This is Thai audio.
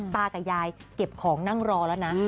ตากับยายเก็บของนั่งรอแล้วนะ